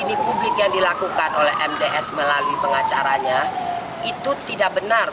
ini publik yang dilakukan oleh mds melalui pengacaranya itu tidak benar